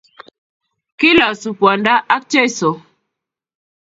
Kilosu Kwanda ak Jesu,